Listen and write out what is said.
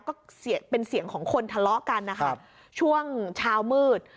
ก็เป็นเสียงของคนทะเลาะกันช่วงเช้ามืด